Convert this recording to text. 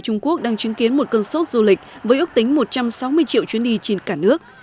trung quốc đang chứng kiến một cơn sốt du lịch với ước tính một trăm sáu mươi triệu chuyến đi trên cả nước